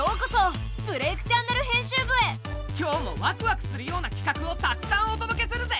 今日もワクワクするようなきかくをたくさんお届けするぜ！